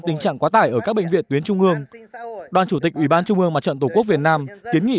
tình trạng quá tải ở các bệnh viện tuyến trung ương đoàn chủ tịch ubnd tổ quốc việt nam kiến nghị